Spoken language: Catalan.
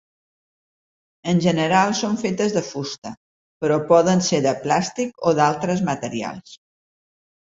En general són fetes de fusta però poden ser de plàstic o d'altres materials.